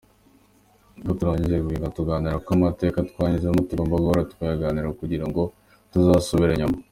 Iyo turangije guhinga turaganira kuko amateka twanyuzemo tugomba guhora tuyaganira kugira ngo tutazasubira inyuma”.